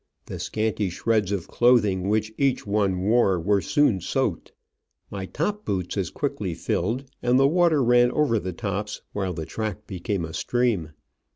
The scanty shreds of clothing which each one wore were soon soaked, my top boots as quickly filled and the water ran over the tops, while the track became a stream.